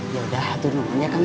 ya udah aturin orangnya kangen